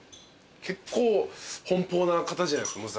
結構奔放な方じゃないですか。